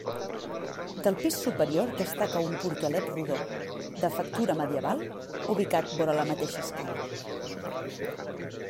Del pis superior destaca un portalet rodó, de factura medieval, ubicat vora la mateixa escala.